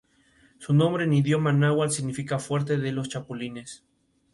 Su nombre en idioma náhuatl significa "Fuerte de los Chapulines".